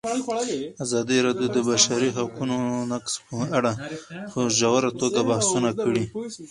ازادي راډیو د د بشري حقونو نقض په اړه په ژوره توګه بحثونه کړي.